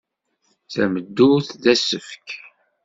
Tameddurt d asefk.